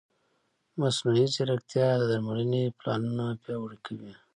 مصنوعي ځیرکتیا د درملنې پلانونه پیاوړي کوي.